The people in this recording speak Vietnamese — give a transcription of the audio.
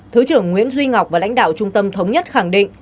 thứ trưởng nguyễn duy ngọc và lãnh đạo trung tâm thống nhất khẳng định